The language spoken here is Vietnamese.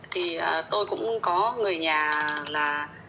thì tôi cũng có người nhà là